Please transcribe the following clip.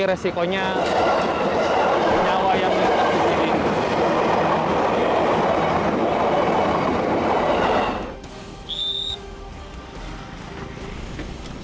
resikonya nyawa yang terlalu gini